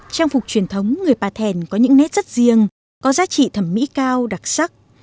trang phục truyền thống người pà thèn có những nét rất riêng có giá trị thẩm mỹ cao đặc sắc